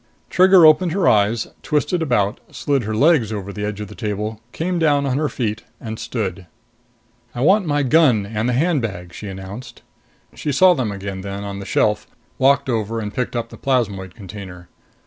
Trigger opened her eyes, twisted about, slid her legs over the edge of the table, came down on her feet, stood. "I want my gun and the handbag," she announced. She saw them again then, on the shelf, walked over and picked up the plasmoid container.